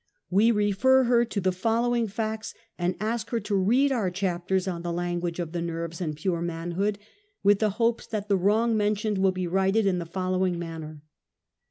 We refer her to the following facts and ask her to read our chapters on the Language of the ISTerves and Pure Manhood, with the hopes that the wrong mentioned will be righted in the following manner.